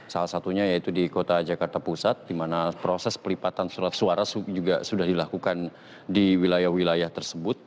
salah satunya yaitu di kota jakarta pusat di mana proses pelipatan surat suara juga sudah dilakukan di wilayah wilayah tersebut